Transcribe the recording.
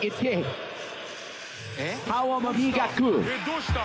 どうした？